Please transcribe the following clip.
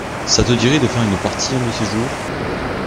ça te dirait de faire une partie un de ces jours?